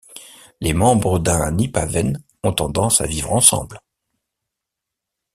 Les membres d'un ipaven ont tendance à vivre ensemble.